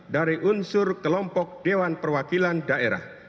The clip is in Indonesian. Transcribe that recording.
dari unsur kelompok dewan perwakilan daerah